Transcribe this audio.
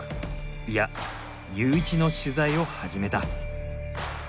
いやユーイチの取材を始めた。